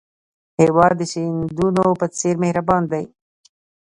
هېواد د سیندونو په څېر مهربان دی.